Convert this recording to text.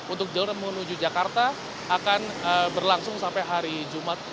untuk jalur yang mengarah ke jakarta akan berlangsung sampai hari jumat